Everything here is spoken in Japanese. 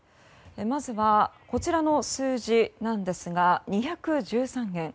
まずは、こちらの数字なんですが２１３件。